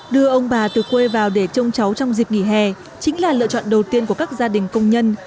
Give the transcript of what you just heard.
đưa ông bà từ quê vào để trông cháu trong dịp nghỉ hè chính là lựa chọn đầu tiên của các gia đình công nhân